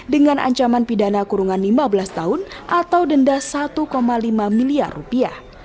dengan ancaman pidana kurungan lima belas tahun atau denda satu lima miliar rupiah